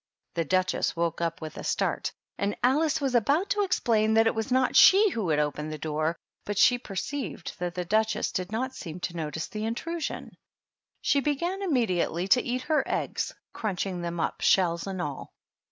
The Duchess woke up with a start, and Alice 60 THE DUCHESS AND HEB HOUSE. was about to explain that it was not she who had opened the door, but she perceived that the Duchess did not seem to notice the intrusion. She began immediately to eat her eggs, crunching them up, shells and all.